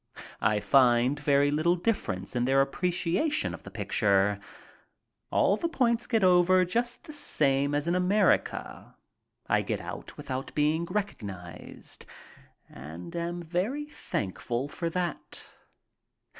I find very little difference in their appreciation of the picture. All the points get over just the same as in America. I get out without being recognized and am very thankful for that.